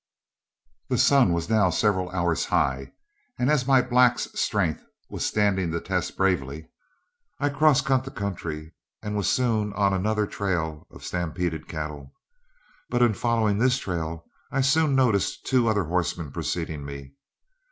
The sun was now several hours high, and as my black's strength was standing the test bravely, I cross cut the country and was soon on another trail of our stampeded cattle. But in following this trail, I soon noticed two other horsemen preceding me.